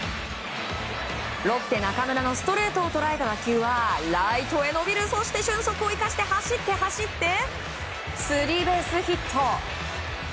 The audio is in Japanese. ロッテ、中村のストレートを捉える打球はライトへ伸びるそして俊足を生かして走って走ってスリーベースヒット。